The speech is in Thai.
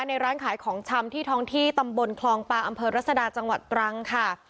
ในร้านขายของชำที่ท้องที่ตำบลคลองปางอำเภอรัศดาจังหวัดตรังค่ะ